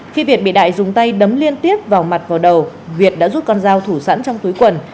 khi việt bị đại dùng tay đấm liên tiếp vào mặt vào đầu việt đã rút con dao thủ sẵn trong túi quần